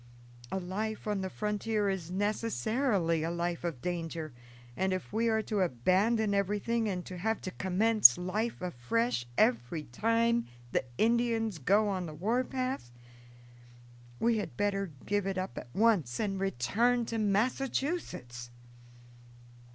A life on the frontier is necessarily a life of danger, and if we are to abandon everything and to have to commence life afresh every time the Indians go on the war path, we had better give it up at once and return to Massachusetts."